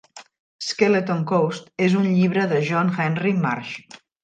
"Skeleton Coast" és un llibre de John Henry Marsh.